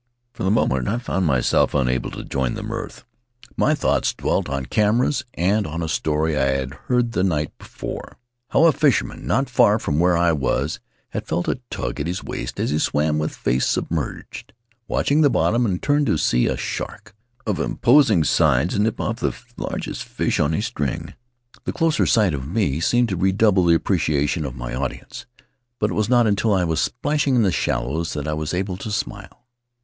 For the moment I found myself unable to join in the mirth. My thoughts dwelt on cameras and on a story I had heard the night before — how a fisherman, not far from where I was, had felt a tug at his waist as he swam with face sub merged, watching the bottom, and turned to see a shark of imposing size nip off the largest fish on his string. The closer sight of me seemed to redouble the appre ciation of my audience, but it was not until I was splashing in the shallows that I was able to smile.